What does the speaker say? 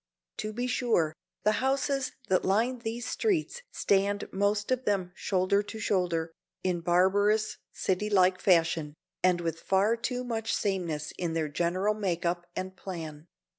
To be sure, the houses that line these streets stand most of them shoulder to shoulder, in barbarous, city like fashion, and with far too much sameness in their general make up and plan.